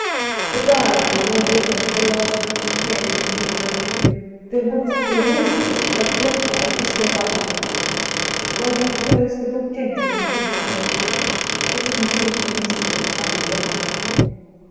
The diary lay open at the last written page, and we read : 'The most verushius of reptile is the Whuy per ' Eobbie closed the book gently and put it away. It didn't seem the least bit funny then.